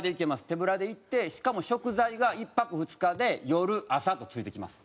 手ぶらで行ってしかも食材が１泊２日で夜朝と付いてきます。